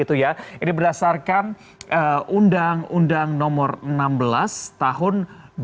undang undang no enam belas tahun dua ribu dua puluh dua